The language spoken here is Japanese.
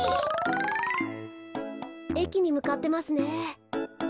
えきにむかってますね。